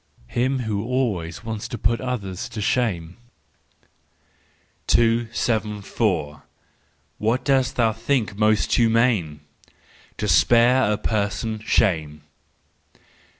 —Him who always wants to put others to shame. 274. What dost thou think most humane? —To spare a person shame.